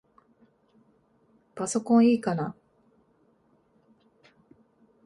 パソコンいいかな？